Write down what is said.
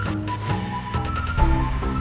saya akan cerita soal ini